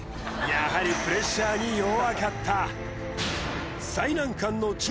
やはりプレッシャーに弱かった